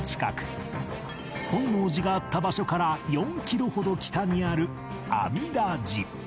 本能寺があった場所から４キロほど北にある阿弥陀寺